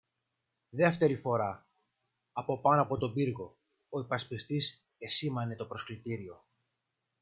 Δεύτερη φορά, από πάνω από τον πύργο, ο υπασπιστής εσήμανε το προσκλητήριο.